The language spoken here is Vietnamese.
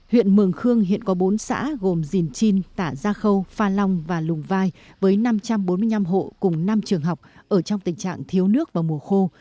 huyện mường khương hiện có bốn xã gồm dìn chin tả gia khâu pha long và lùng vai với năm trăm bốn mươi năm hộ cùng năm trường học ở trong tình trạng thiếu nước vào mùa khô